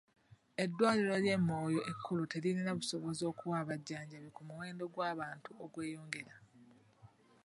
Eddwaliro ly'e Moyo ekkulu teririna busobozi kuwa bujjanjabi ku muwendo gw'abantu ogweyongera.